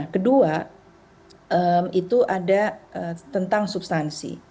kedua itu ada tentang substansi